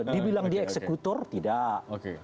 dibilang dia eksekutor tidak